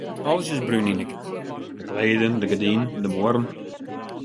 Alles is brún yn 'e keamer: de kleden, de gerdinen, de muorren.